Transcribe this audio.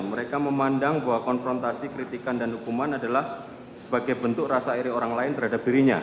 mereka memandang bahwa konfrontasi kritikan dan hukuman adalah sebagai bentuk rasa iri orang lain terhadap dirinya